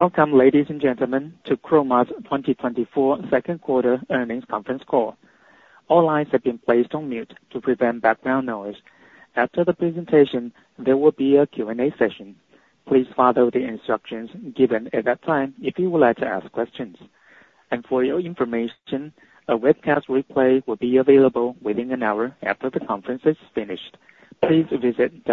Welcome, ladies and gentlemen, to Chroma's 2024 second quarter earnings conference call. All lines have been placed on mute to prevent background noise. After the presentation, there will be a Q&A session. Please follow the instructions given at that time if you would like to ask questions. For your information, a webcast replay will be available within an hour after the conference is finished. Please visit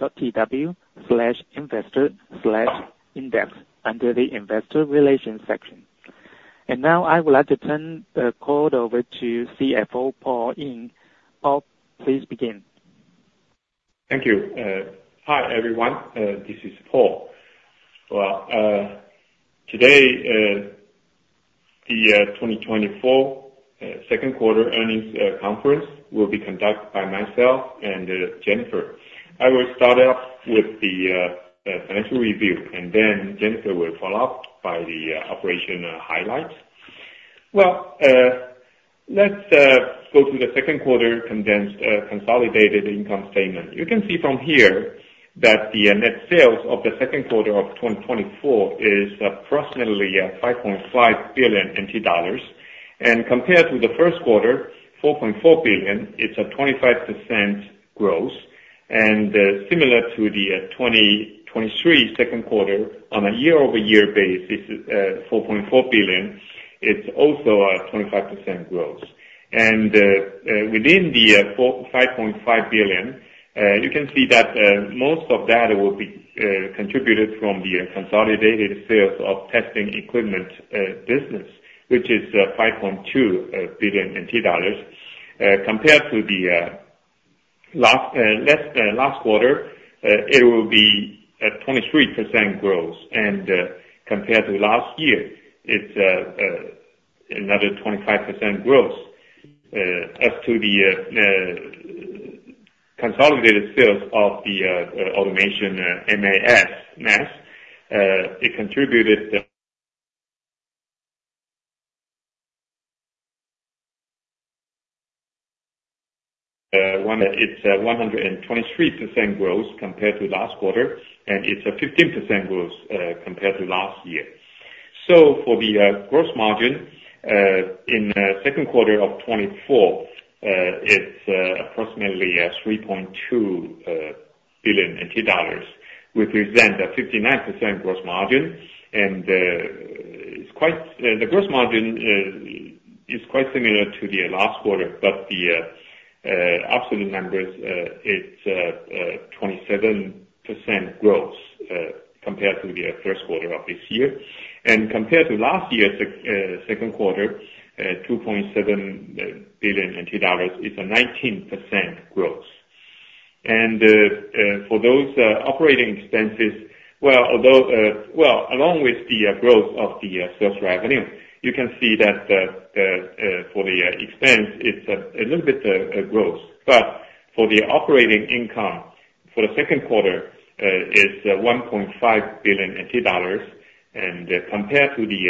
www.chroma.com.tw/investor/index under the Investor Relations section. Now, I would like to turn the call over to CFO, Paul Ying. Paul, please begin. Thank you. Hi, everyone. This is Paul. Well, today, the 2024 second quarter earnings conference will be conducted by myself and Jennifer. I will start off with the financial review, and then Jennifer will follow up by the operational highlights. Well, let's go to the second quarter condensed consolidated income statement. You can see from here that the net sales of the second quarter of 2024 is approximately 5.5 billion NT dollars. And compared to the first quarter, 4.4 billion, it's a 25% growth. And, similar to the 2023 second quarter, on a year-over-year basis, 4.4 billion, it's also a 25% growth. And within the 4.5 billion, you can see that most of that will be contributed from the consolidated sales of testing equipment business, which is 5.2 billion NT dollars. Compared to the last quarter, it will be a 23% growth. And compared to last year, it's another 25% growth. As to the consolidated sales of the automation MAS, it contributed; it's a 123% growth compared to last quarter, and it's a 15% growth compared to last year. So for the gross margin in second quarter of 2024, it's approximately 3.2 billion NT dollars, which is then a 59% gross margin. And it's quite the gross margin is quite similar to the last quarter, but the absolute numbers it's 27% growth compared to the first quarter of this year. And compared to last year's second quarter, 2.7 billion NT dollars is a 19% growth. And for those operating expenses, well, although, well, along with the growth of the sales revenue, you can see that for the expense, it's a little bit growth. But for the operating income, for the second quarter, it's 1.5 billion NT dollars, and compared to the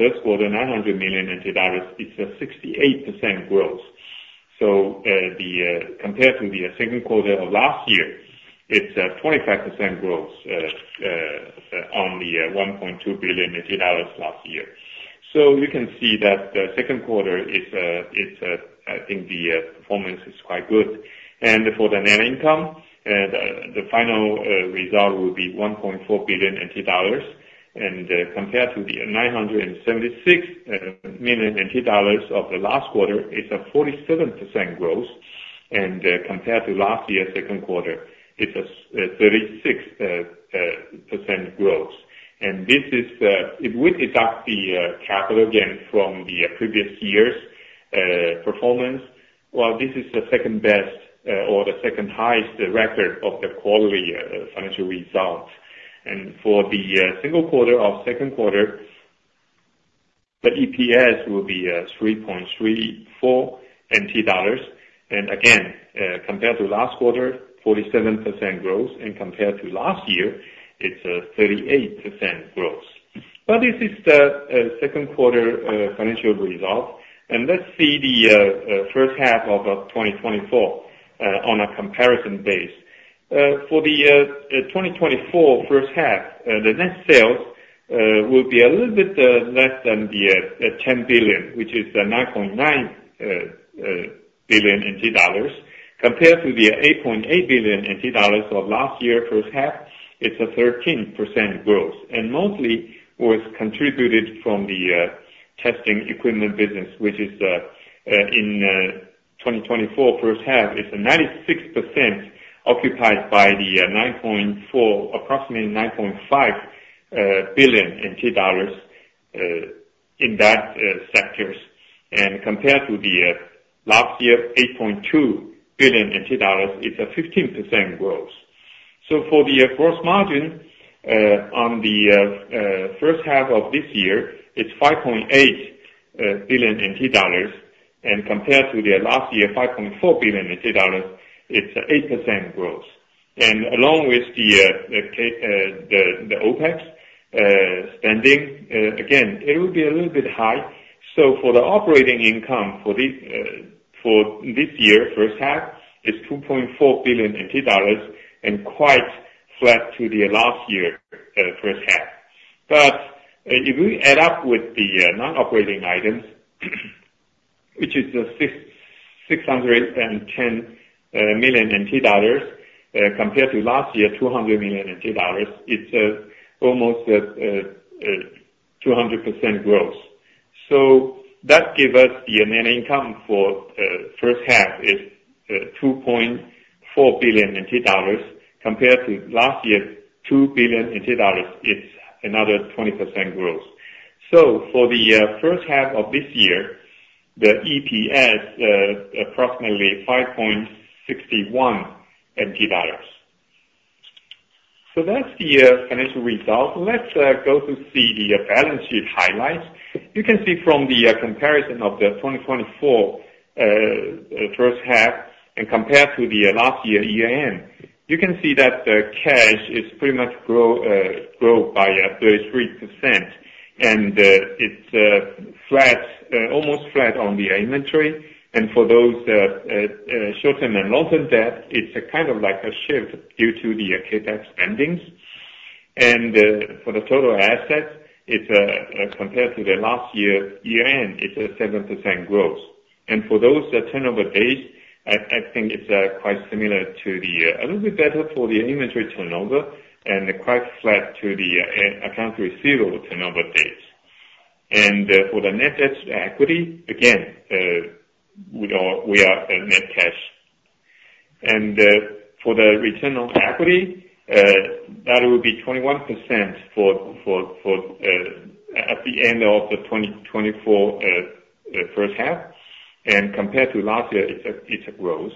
first quarter, 900 million NT dollars, it's a 68% growth. So, compared to the second quarter of last year, it's a 25% growth on the 1.2 billion last year. So you can see that the second quarter is, it's I think the performance is quite good. And for the net income, the final result will be 1.4 billion NT dollars. And compared to the 976 million NT dollars of the last quarter, it's a 47% growth. And compared to last year, second quarter, it's a 36% growth. This is, if we deduct the capital gain from the previous year's performance, well, this is the second best or the second highest record of the quarterly financial result. For the single quarter of second quarter, the EPS will be 3.34 NT dollars. Again, compared to last quarter, 47% growth, and compared to last year, it's a 38% growth. But this is the second quarter financial result. Let's see the first half of 2024 on a comparison base. For the 2024 first half, the net sales will be a little bit less than the 10 billion, which is the 9.9 billion NT dollars, compared to the 8.8 billion NT dollars of last year first half; it's a 13% growth. And mostly was contributed from the testing equipment business, which is in 2024 first half; it's 96% occupied by the 9.4, approximately 9.5 billion TWD in that sectors. And compared to the last year 8.2 billion NT dollars, it's a 15% growth. So for the grow margin on the first half of this year, it's 5.8 billion NT dollars, and compared to the last year, 5.4 billion NT dollars, it's 8% growth. And along with the OPEX spending, again, it will be a little bit high. So for the operating income for this year, first half, is 2.4 billion, and quite flat to the last year first half. But if we add up with the non-operating items, which is 610 million NT dollars, compared to last year, 200 million NT dollars, it's almost 200% growth. So that give us the net income for first half is 2.4 billion NT dollars compared to last year, 2 billion NT dollars. It's another 20% growth. So for the first half of this year, the EPS approximately 5.61 NT dollars. So that's the financial result. Let's go to see the balance sheet highlights. You can see from the comparison of the 2024 first half and compared to the last year year-end, you can see that the cash is pretty much grow by 33%. And it's almost flat on the inventory. And for those short-term and long-term debt, it's a kind of like a shift due to the CapEx spendings. For the total assets, it's compared to the last year year-end, it's a 7% growth. For those turnover days, I think it's quite similar to the a little bit better for the inventory turnover and quite flat to the accounts receivable turnover days. For the net asset equity, again, we are a net cash. For the return on equity, that will be 21% for at the end of the 2024 first half. Compared to last year, it's a growth.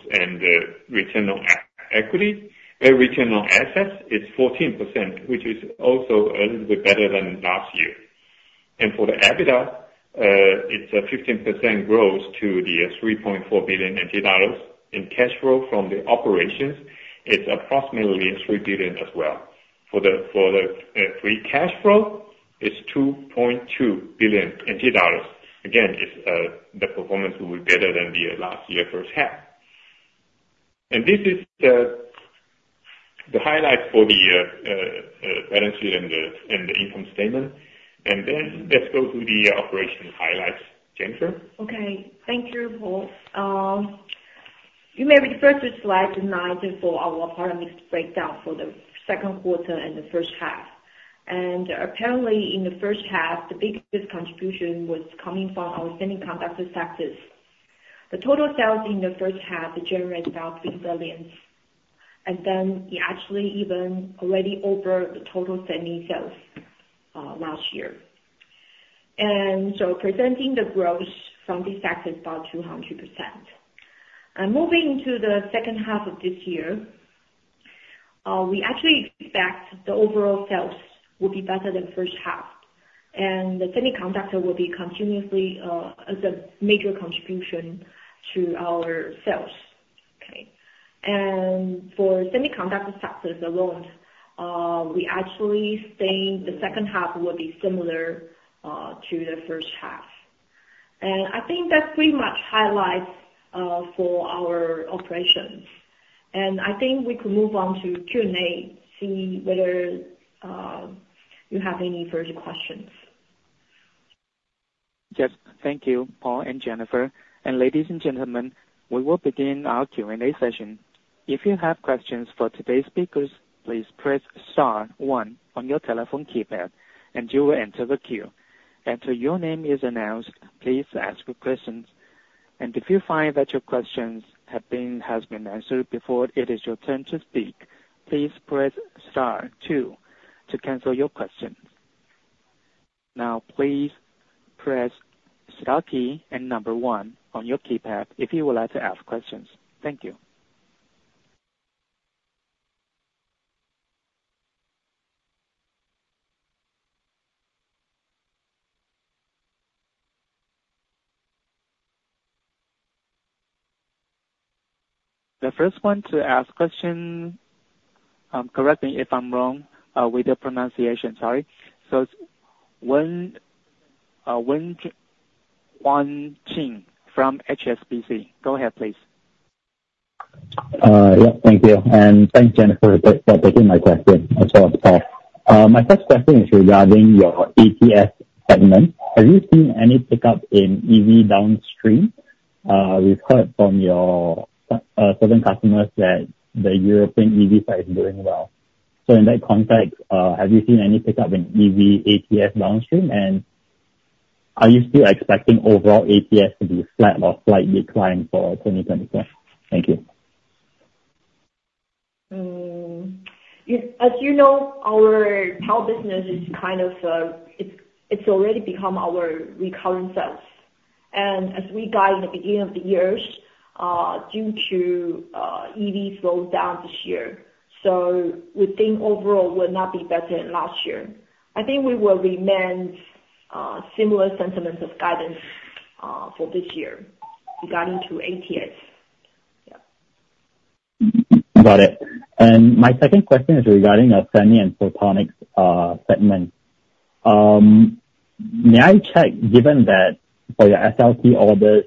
Return on equity, return on assets is 14%, which is also a little bit better than last year. For the EBITDA, it's a 15% growth to the 3.4 billion NT dollars. In cash flow from the operations, it's approximately 3 billion as well. For the free cash flow, it's 2.2 billion NT dollars. Again, it's the performance will be better than the last year first half. And this is the highlights for the balance sheet and the income statement. And then let's go to the operation highlights. Jennifer? Okay. Thank you, Paul. You may refer to slide 9 for our product mix breakdown for the second quarter and the first half. Apparently, in the first half, the biggest contribution was coming from our semiconductor sectors. The total sales in the first half generate about TWD 3 billion, and then it actually even already over the total semi-sales last year. So presenting the growth from this sector is about 200%. Moving to the second half of this year, we actually expect the overall sales will be better than first half, and the semiconductor will be continuously as a major contribution to our sales. Okay. For semiconductor sectors alone, we actually think the second half will be similar to the first half. I think that pretty much highlights for our operations. I think we could move on to Q&A, see whether you have any further questions. Yes, thank you, Paul and Jennifer. Ladies and gentlemen, we will begin our Q&A session. If you have questions for today's speakers, please press star one on your telephone keypad, and you will enter the queue. After your name is announced, please ask your questions. If you find that your questions have been answered before it is your turn to speak, please press star two to cancel your question. Now, please press star key and number one on your keypad if you would like to ask questions. Thank you. The first one to ask question, correct me if I'm wrong with the pronunciation, sorry. So it's Wesley Ching from HSBC. Go ahead, please. Yeah, thank you. Thanks, Jennifer, for taking my question as well as Paul. My first question is regarding your ATS segment. Have you seen any pickup in EV downstream? We've heard from your certain customers that the European EV side is doing well. So in that context, have you seen any pickup in EV ATS downstream? And are you still expecting overall ATS to be flat or slight decline for 2024? Thank you. As you know, our power business is kind of, it's, it's already become our recurring sales. As we guide in the beginning of the years, due to EV slowdown this year, so we think overall will not be better than last year. I think we will remain similar sentiments of guidance for this year regarding to ATS.... Got it. And my second question is regarding our semi and photonics segment. May I check, given that for your SLT orders,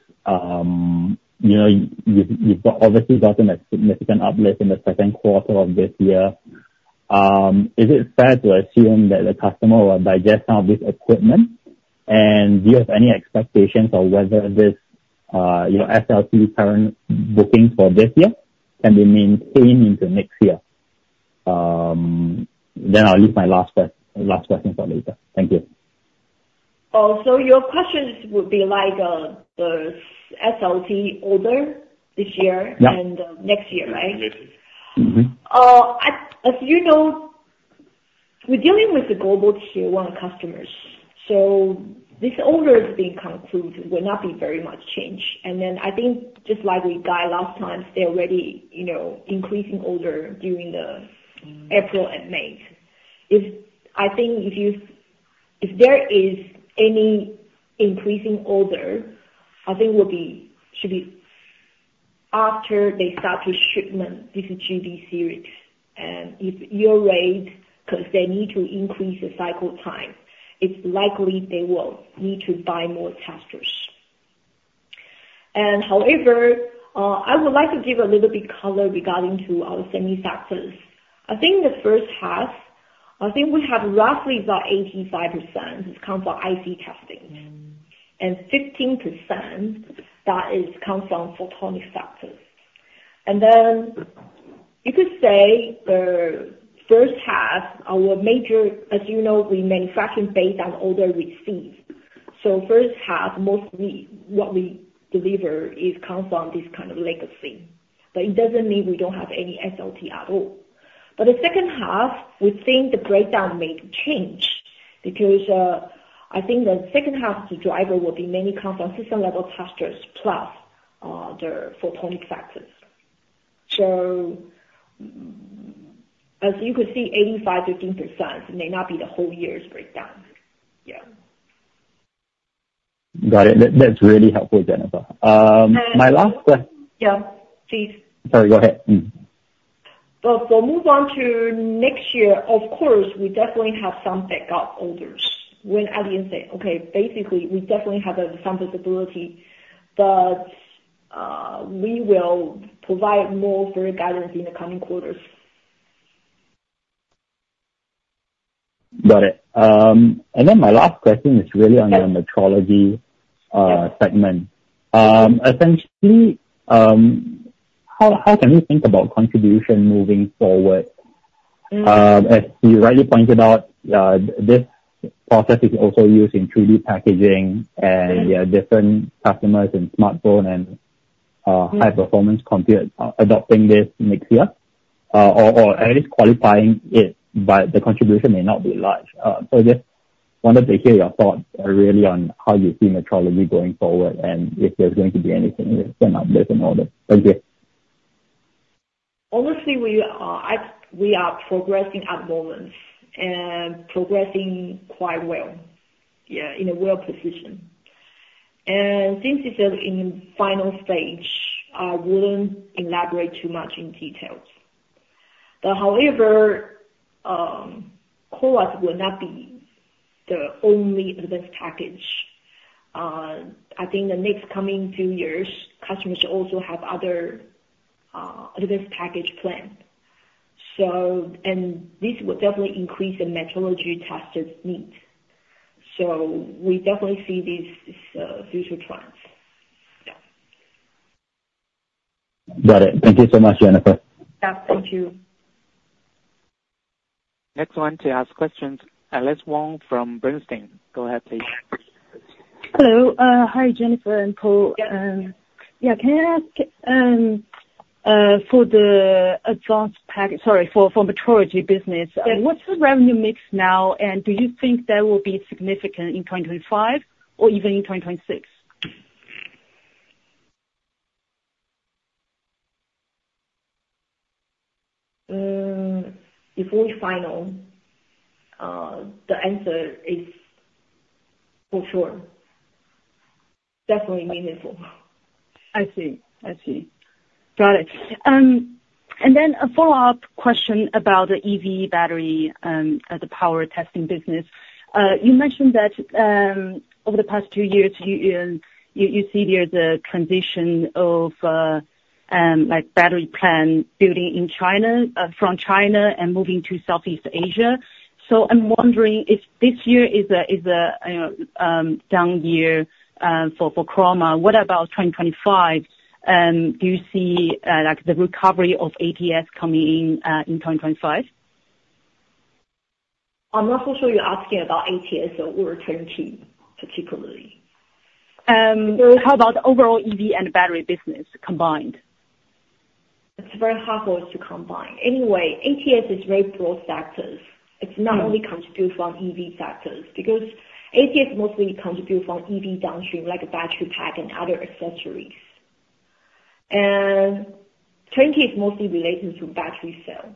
you know, you've obviously gotten a significant uplift in the second quarter of this year, is it fair to assume that the customer will digest some of this equipment? And do you have any expectations of whether this, your SLT current booking for this year, can remain same into next year? Then I'll leave my last question for later. Thank you. Oh, so your questions would be like, the SLT order this year- Yeah. -and, next year, right? Mm-hmm. As you know, we're dealing with the global Tier 1 customers, so these orders being concluded will not be very much changed. And then I think just like with guide last time, they already, you know, increasing order during the April and May. I think if there is any increasing order, I think it will be, should be after they start to shipment this G-Series. And if your rate, 'cause they need to increase the cycle time, it's likely they will need to buy more testers. And however, I would like to give a little bit color regarding to our semi factors. I think the first half, I think we have roughly about 85% comes from IC testing, and 15% that is, comes from photonic sector. And then you could say the first half, our major... As you know, we manufacturing based on order received. So first half, mostly what we deliver is comes from this kind of legacy, but it doesn't mean we don't have any SLT at all. But the second half, we think the breakdown may change because, I think the second half, the driver will be mainly come from system-level testers plus, the photonic factors. So as you could see, 85-15% may not be the whole year's breakdown. Yeah. Got it. That, that's really helpful, Jennifer. My last que- Yeah, please. Sorry, go ahead. Mm. But for move on to next year, of course, we definitely have some backup orders. When Allie said, "Okay, basically, we definitely have some visibility," but, we will provide more clear guidance in the coming quarters. Got it. And then my last question is really on your metrology segment. Essentially, how can we think about contribution moving forward? Mm. As you rightly pointed out, this process is also used in 3D packaging and, yeah, different customers in smartphone and high performance compute adopting this next year, or at least qualifying it, but the contribution may not be large. So just wanted to hear your thoughts really on how you see metrology going forward, and if there's going to be anything with an uplift in order. Thank you. Honestly, we are at. We are progressing at the moment and progressing quite well. Yeah, in a well position. And since it's in final stage, I wouldn't elaborate too much in details. But however, CoWoS will not be the only advanced package. I think the next coming two years, customers should also have other, advanced package plan. So, and this will definitely increase the metrology testers need. So we definitely see these, future trends. Yeah. Got it. Thank you so much, Jennifer. Yeah, thank you. Next one to ask questions, Alice Wong from Bernstein. Go ahead, please. Hello. Hi, Jennifer and Paul. Yeah. Yeah, can I ask for the advanced pack... Sorry, for, for metrology business? Yeah. What's the revenue mix now, and do you think that will be significant in 2025 or even in 2026? Before we final, the answer is for sure, definitely meaningful. I see. I see. Got it. And then a follow-up question about the EV battery, the power testing business. You mentioned that, over the past two years, you see the transition of, like battery plant building in China, from China and moving to Southeast Asia. So I'm wondering if this year is a, you know, down year, for Chroma. What about 2025? Do you see, like the recovery of ATS coming in, in 2025? I'm not so sure you're asking about ATS or return to particularly. How about overall EV and battery business combined? It's very hard for us to combine. Anyway, ATS is very broad sectors. Mm. It's not only contribute from EV sectors, because ATS mostly contribute from EV downstream, like battery pack and other accessories. Turnkey is mostly related to battery cell.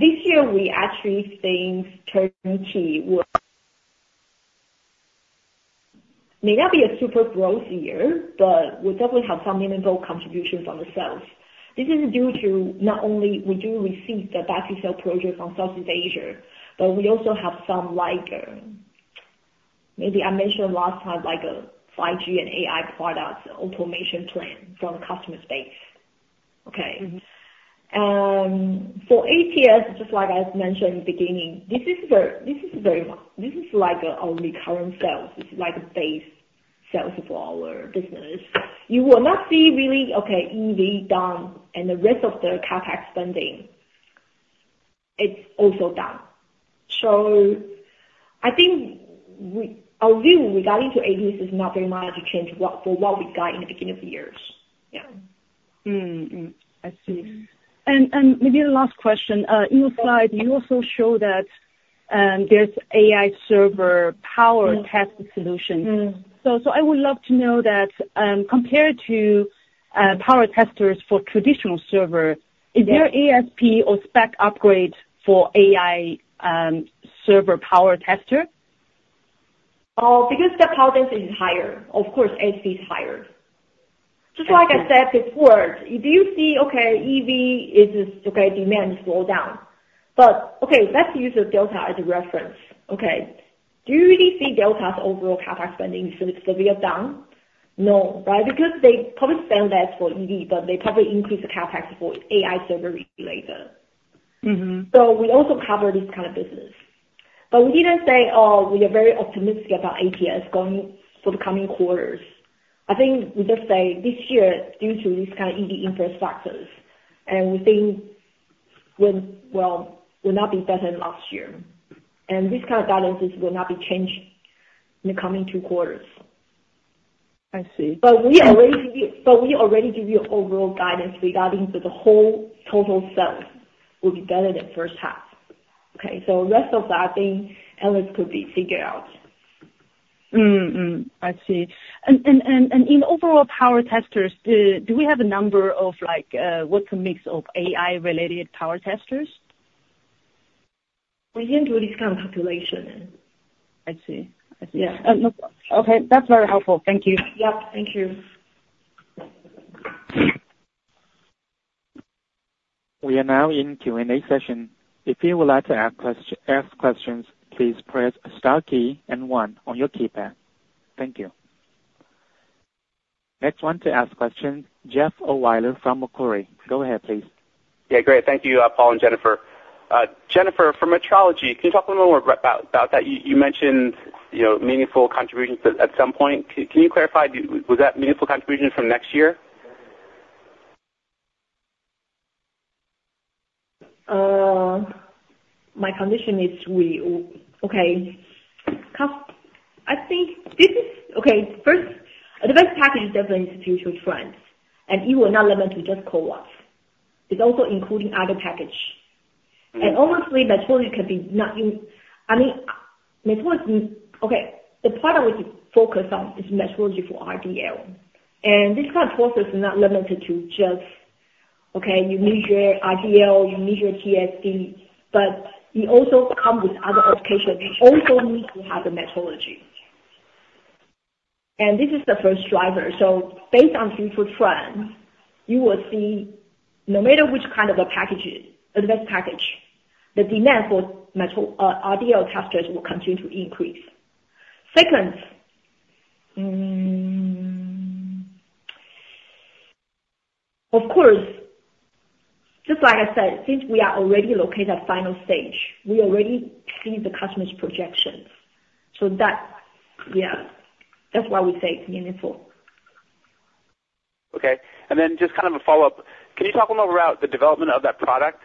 This year, we actually think twenty may not be a super growth year, but we definitely have some meaningful contributions on the sales. This is due to not only we do receive the ba project from Southeast Asia, but we also have some like, maybe I mentioned last time, like a and AI products automation plan from the customer space. Okay. For ATS, just like I mentioned in the beginning, this is very, this is very, this is like our recurring sales. This is like base sales for our business. You will not see really, okay, EV down and the rest of the CapEx spending, it's also down. I think our view regarding to ATS is not very much changed for what we got in the beginning of the year. Yeah. Mm-hmm, mm. I see. And, maybe the last question. In your slide, you also show that, there's AI Server Power Test Solution. Mm. I would love to know that, compared to power testers for traditional server- Yeah. Is there ASP or spec upgrade for AI, server power tester? Oh, because the power is higher, of course, ASP is higher. Just like I said before, do you see, okay, EV is, okay, demand is slow down, but okay, let's use the Delta as a reference. Okay, do you really see Delta's overall CapEx spending severely, severely down? No. Why? Because they probably spend less for EV, but they probably increase the CapEx for AI server later. Mm-hmm. So we also cover this kind of business, but we didn't say, oh, we are very optimistic about ATS going for the coming quarters. I think we just say this year, due to this kind of EV infrastructures, and we think well, will not be better than last year, and this kind of balances will not be changing in the coming two quarters. I see. But we already give you, but we already give you overall guidance regarding the whole total sales will be better than first half. Okay, so rest of that, I think, analyst could be figured out. Mm-hmm. Mm, I see. And in overall power testers, do we have a number, like, what's the mix of AI-related power testers? We didn't do this kind of calculation. I see. I see. Yeah. No. Okay, that's very helpful. Thank you. Yeah, thank you. We are now in Q&A session. If you would like to ask questions, please press star key and one on your keypad. Thank you. Next one to ask question, Jeffrey Ohlweiler from Macquarie. Go ahead, please. Yeah, great. Thank you, Paul and Jennifer. Jennifer, for metrology, can you talk a little more about, about that? You, you mentioned, you know, meaningful contributions at, at some point. Can you clarify, was that meaningful contribution from next year? My contention is, first, advanced packaging definitely is an institutional trend, and it will not be limited to just CoWoS. It's also including other packaging. Mm-hmm. And honestly, metrology can be. I mean, okay, the product we should focus on is metrology for RDL, and this kind of process is not limited to just, okay, you measure RDL, you measure TSV, but you also come with other applications, you also need to have the metrology. And this is the first driver. So based on future trends, you will see, no matter which kind of a packages, advanced package, the demand for metrology RDL testers will continue to increase. Second, of course, just like I said, since we are already located at final stage, we already see the customer's projections. So that, yeah, that's why we say it's meaningful. Okay. And then just kind of a follow-up, can you talk a little about the development of that product?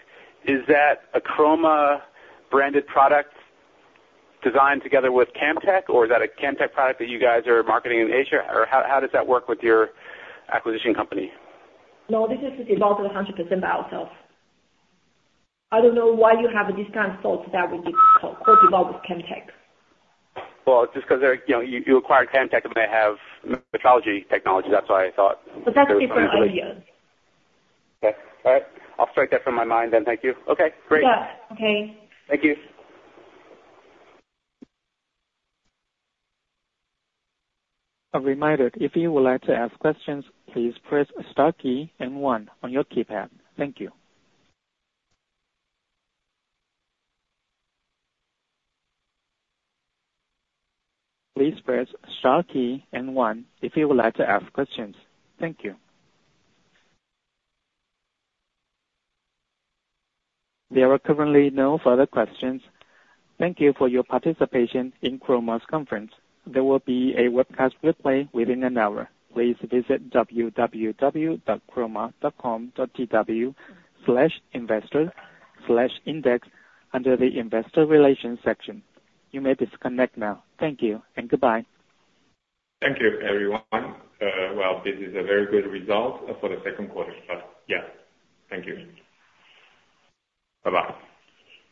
Is that a Chroma-branded product designed together with Camtek, or is that a Camtek product that you guys are marketing in Asia? Or how, how does that work with your acquisition company? No, this is developed 100% by ourselves. I don't know why you have this kind of thought that was developed with Camtek. Well, just 'cause they're, you know, you, you acquired Camtek, and they have metrology technology. That's why I thought- But that's a different idea. Okay. All right. I'll strike that from my mind then. Thank you. Okay, great. Yeah. Okay. Thank you. A reminder, if you would like to ask questions, please press star key and one on your keypad. Thank you. Please press star key and one if you would like to ask questions. Thank you. There are currently no further questions. Thank you for your participation in Chroma's conference. There will be a webcast replay within an hour. Please visit www.chroma.com.tw/investor/index under the Investor Relations section. You may disconnect now. Thank you and goodbye. Thank you, everyone. Well, this is a very good result for the second quarter, but yeah, thank you. Bye-bye.